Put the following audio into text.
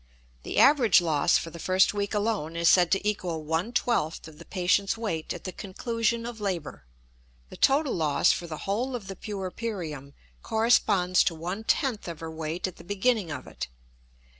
The average loss for the first week alone is said to equal one twelfth of the patient's weight at the conclusion of labor; the total loss for the whole of the puerperium corresponds to one tenth of her weight at the beginning of it.